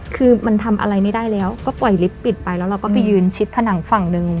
คือมันทำอะไรไม่ได้แล้วก็ปล่อยลิฟต์ปิดไปแล้วเราก็ไปยืนชิดผนังฝั่งหนึ่ง